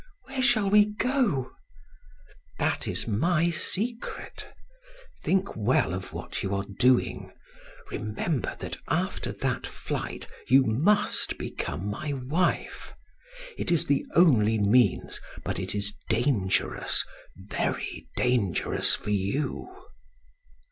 "Where shall we go?" "That is my secret. Think well of what you are doing. Remember that after that flight you must become my wife. It is the only means, but it is dangerous very dangerous for you."